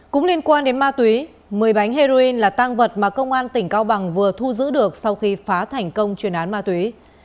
cũng liên quan đến ma túy một mươi bánh heroin là tăng vật mà công an tp hcm vừa thu giữ được sau khi phá thành công chuyển án ma túy